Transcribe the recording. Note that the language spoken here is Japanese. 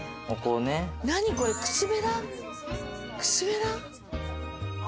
何これ靴べら？